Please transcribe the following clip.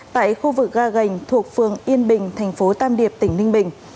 tại khu vực ga gành thuộc phường yên bình thành phố tam điệp tỉnh ninh bình